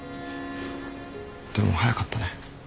でも早かったね。